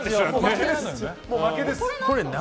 もう負けです。